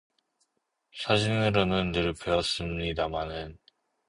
"사진으로는 늘 뵈었습니다마는 ……"